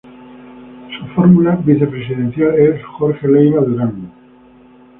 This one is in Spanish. Su fórmula vicepresidencial es Jorge Leyva Durán.